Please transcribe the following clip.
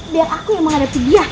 biar aku yang menghadapi dia